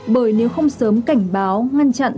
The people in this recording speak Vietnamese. bởi nếu không sớm cảnh báo ngăn chặn